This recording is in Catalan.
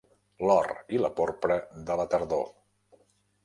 L'or i la porpra de la tardor.